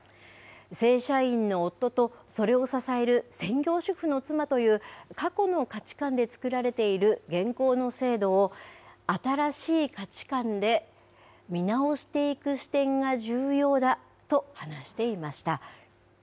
正社員の夫とそれを支える専業主婦の妻という、過去の価値観で作られている現行の制度を新しい価値観で見直していく視点が重要だと話していました。